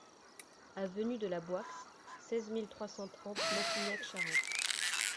Avenue de la Boixe, seize mille trois cent trente Montignac-Charente